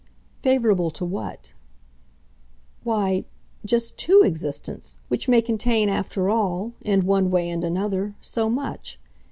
"Favourable to what?" "Why, just TO existence which may contain, after all, in one way and another, so much.